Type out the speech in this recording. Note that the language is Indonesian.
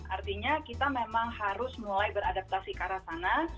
artinya kita memang harus mulai beradaptasi ke arah sana